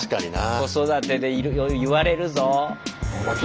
子育てで言われるぞ。